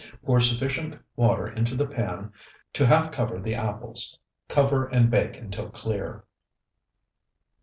Pour sufficient water into the pan to half cover the apples. Cover and bake until clear.